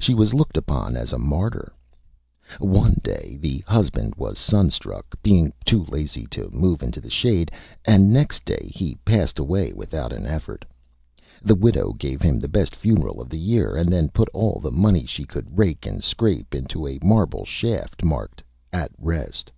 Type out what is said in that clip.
She was looked upon as a Martyr. [Illustration: A MARTYR] One Day the Husband was Sunstruck, being too Lazy to move into the Shade, and next Day he Passed Away without an Effort. The Widow gave him the best Funeral of the Year and then put all the Money she could rake and scrape into a Marble Shaft marked "At Rest."